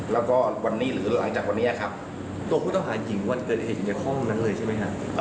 แล้วก็วันนี้หรือหลังจากวันนี้ครับตัวผู้ต้องหาหญิงวันเกิดเหตุอยู่ในห้องนั้นเลยใช่ไหมครับ